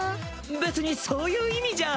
別にそういう意味じゃ。